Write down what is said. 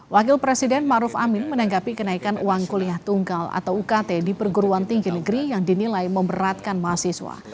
wakil presiden maruf amin menanggapi kenaikan uang kuliah tunggal atau ukt di perguruan tinggi negeri yang dinilai memberatkan mahasiswa